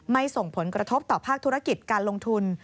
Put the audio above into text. ส่งผลกระทบต่อภาคธุรกิจการลงทุน